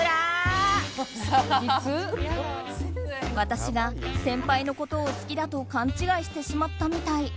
私が先輩のことを好きだと勘違いしてしまったみたい。